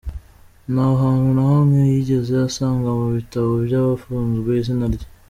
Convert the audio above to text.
Nta hantu na hamwe yigeze asanga mu bitabo by’abafunzwe izina rye.